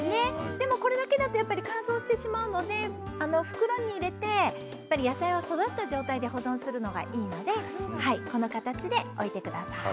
でもこれだけだと乾燥してしまうので袋に入れて野菜は育った状態で保存するのがいいのでこの形で置いてください。